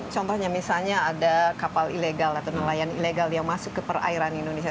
contohnya misalnya ada kapal ilegal atau nelayan ilegal yang masuk ke perairan indonesia